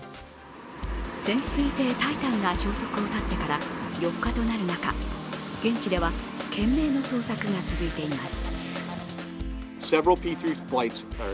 潜水艇「タイタン」が消息を絶ってから４日となる中現地では懸命の捜索が続いています。